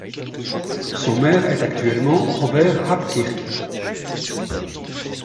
Son maire est actuellement Robert Habkirk.